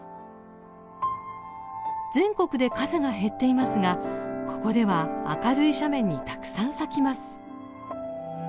全国で数が減っていますがここでは明るい斜面にたくさん咲きます。